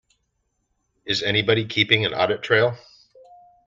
Is anybody keeping an audit trail?